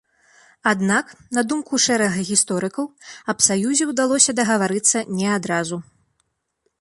Аднак, на думку шэрага гісторыкаў, аб саюзе ўдалося дагаварыцца не адразу.